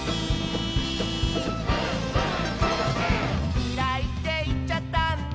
「きらいっていっちゃったんだ」